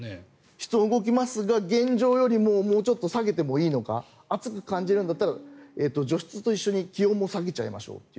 室温は動きますが現状からもうちょっと下げていいのか暑く感じるんだったら除湿と一緒に気温も下げましょうと。